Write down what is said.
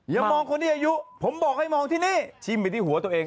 อย่ามองคนที่อายุผมบอกให้มองที่นี่ชิมไปที่หัวตัวเอง